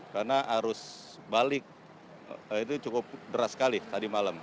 karena arus balik itu cukup deras sekali tadi malam